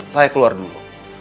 saya keluar dulu